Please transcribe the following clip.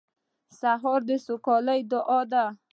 سهار د سوکالۍ دعا ده.